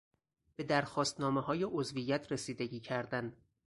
به درخواستنامههای عضویت رسیدگی کردن